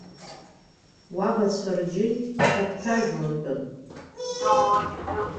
Уабацәа рџьынџь қьаԥҭажәумтәын.